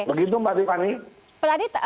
begitu mbak tiffany